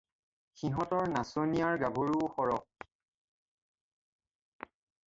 সিহঁতৰ নাচনিয়াৰ গাভৰুও সৰহ।